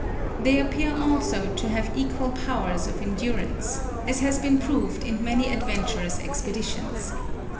They appear also to have equal powers of endurance, as has been proved in many adventurous expeditions.